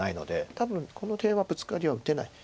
多分この手はブツカリは打てない。